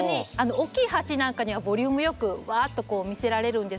おっきい鉢なんかにはボリュームよくわっと見せられるんですけれども。